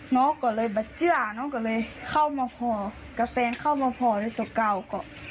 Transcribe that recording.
น้องก็เลยบัดเจื้อน้องก็เลยเข้ามาพอกับแฟนเข้ามาพอด้วยตัวเก่าก็